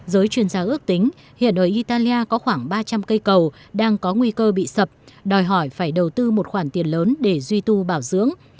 giới chuyên gia ước tính hiện ở italia có khoảng ba trăm linh cây cầu đang có nguy cơ bị sập đòi hỏi phải đầu tư một khoản tiền lớn để duy tu bảo dưỡng